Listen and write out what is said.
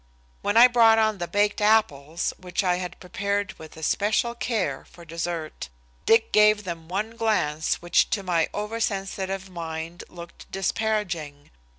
When I brought on the baked apples which I had prepared with especial care for dessert, Dick gave them one glance which to my oversensitive mind looked disparaging.